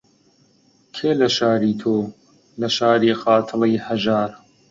کێ لە شاری تۆ، لە شاری قاتڵی هەژار